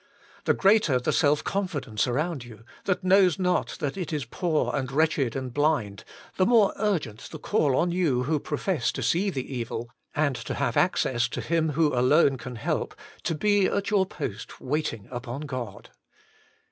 The greater the self confidence around you, that knows not that it is poor and wretched and blind, the more urgent the call on you who profess to see the evil and to have access to Him who alone can help, to be at your post waiting upon God.